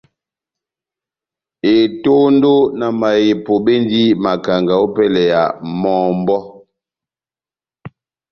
Etondo na mahepo bendi makanga ópɛlɛ ya mɔmbɔ́.